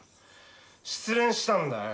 失恋したんだよ！